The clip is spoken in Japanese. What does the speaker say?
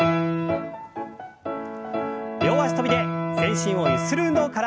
両脚跳びで全身をゆする運動から。